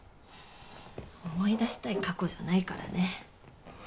思い出したい過去じゃないからね。